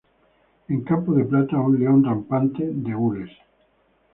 En campo de plata, un león rampante, de gules.